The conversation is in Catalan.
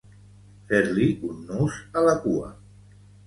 Fer-li un nus a la cua.